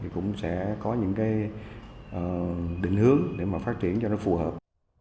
cũng sẽ có những định hướng để phát triển cho nó phù hợp